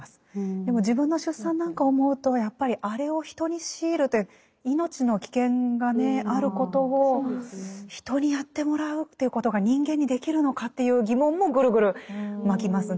でも自分の出産なんかを思うとやっぱりあれを人に強いるという命の危険がねあることを人にやってもらうっていうことが人間にできるのかっていう疑問もぐるぐるまきますね。